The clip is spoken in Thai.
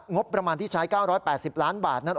งบประมาณที่ใช้๙๘๐ล้านบาทนั้น